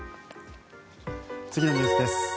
次のニュースです。